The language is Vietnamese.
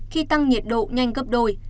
khi tăng nhiệt độ nhanh gấp đôi